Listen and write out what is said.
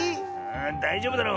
だいじょうぶだろ。